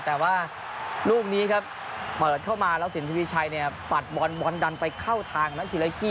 แต่ว่าลูกนี้ครับเปิดเข้ามาแล้วสินทวีชัยเนี่ยปัดบอลบอลดันไปเข้าทางนักทีละกี้